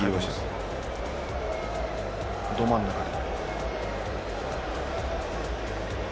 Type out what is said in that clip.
ど真ん中に。